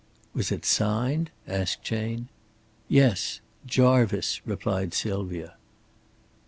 '" "Was it signed?" asked Chayne. "Yes. 'Jarvice,'" replied Sylvia.